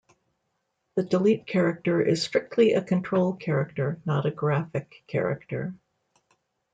The delete character is strictly a control character, not a graphic character.